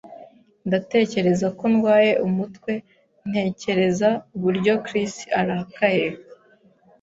Ndatekereza ko ndwaye umutwe ntekereza uburyo Chris arakaye.